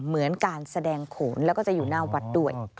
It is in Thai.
เหมือนการแสดงโขนแล้วก็จะอยู่หน้าวัดด้วย